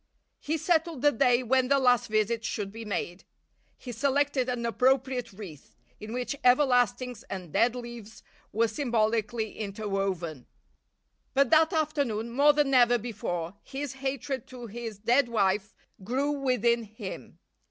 He settled the day when the last visit should be made. He selected an appropriate wreath, in which everlastings and dead leaves were symbolically interwoven. But that afternoon more than ever before his hatred to his dead wife grew within him.